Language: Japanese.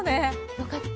よかった。